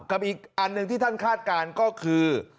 อีกอันหนึ่งที่ท่านคาดการณ์ก็คือ